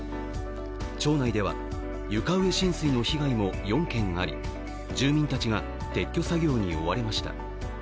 町内では床上浸水の被害も４件あり住民たちが撤去作業に追われました。